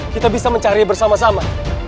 kita bisa mencari bersama sama